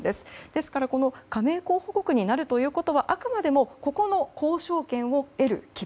ですから加盟候補国になるということはあくまでも、ここの交渉権を得る切符